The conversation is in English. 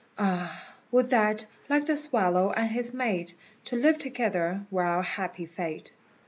Ah, would that, like the swallow and his mate, To live together were our happy fate."